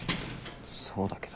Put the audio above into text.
そうだけど。